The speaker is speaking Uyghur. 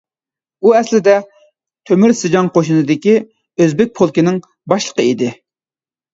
ئۇ ئەسلىدە تۆمۈر سىجاڭ قوشۇنىدىكى ئۆزبېك پولكىنىڭ باشلىقى ئىدى.